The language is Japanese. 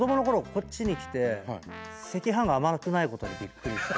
こっちに来て赤飯が甘くないことにびっくりして。